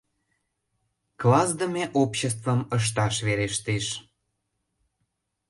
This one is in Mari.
Классдыме обществым ышташ верештеш...